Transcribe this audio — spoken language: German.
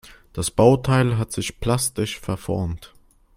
Das Bauteil hat sich plastisch verformt.